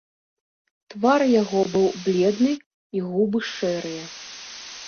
Твар яго быў бледны і губы шэрыя.